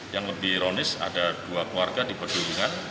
yang lebih ironis ada dua keluarga di perjumlahan